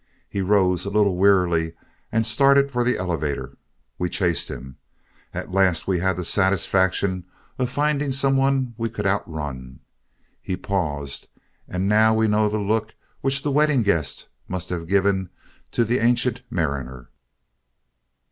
He rose a little wearily and started for the elevator. We chased him. At last we had the satisfaction of finding some one we could outrun. He paused, and now we know the look which the Wedding Guest must have given to the Ancient Mariner.